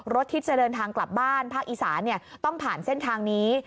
รถที่จะเดินทางกลับบ้านภาคอีสานต้องผ่านเส้นทางนี้